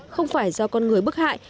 không phải do con người bức hại